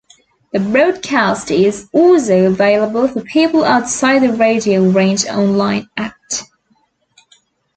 The broadcast is also available for people outside the studio range online at.